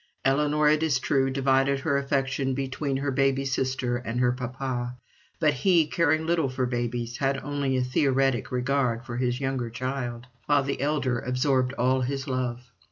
Ellinor, it is true, divided her affection between her baby sister and her papa; but he, caring little for babies, had only a theoretic regard for his younger child, while the elder absorbed all his love.